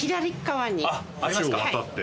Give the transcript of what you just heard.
橋を渡って？